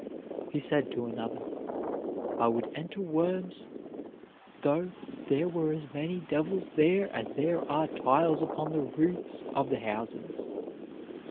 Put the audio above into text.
He said to another: "I would enter Worms though there were as many devils there as there are tiles upon the roofs of the houses."